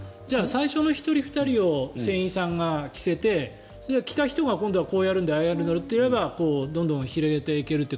最初の１人、２人を船員さんが着せて着た人が今度こうやるんだよって言えばどんどん広げていけると。